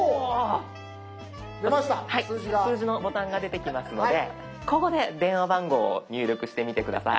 数字のボタンが出てきますのでここで電話番号を入力してみて下さい。